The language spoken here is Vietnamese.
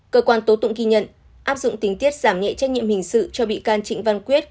cơ quan tố tụng ghi nhận áp dụng tình tiết giảm nhẹ trách nhiệm hình sự cho bị can trịnh văn quyết